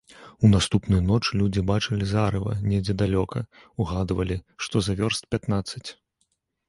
У наступную ноч людзі бачылі зарыва недзе далёка, угадвалі, што за вёрст пятнаццаць.